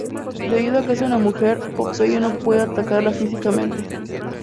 Debido a que es una mujer, Popeye no puede atacarla físicamente.